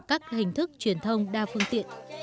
các hình thức truyền thông đa phương tiện